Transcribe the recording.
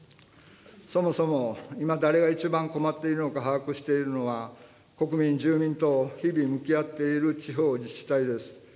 そもそも、今誰が一番困っているのか把握しているのは、国民、住民と日々向き合っている地方自治体です。